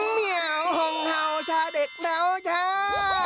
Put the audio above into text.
เมียวห่องเห่าชาเด็กแล้วจ้า